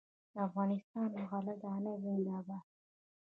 د افغانستان غله دانه زنده باد.